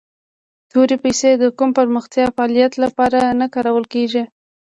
تورې پیسي د کوم پرمختیایي فعالیت لپاره نه کارول کیږي.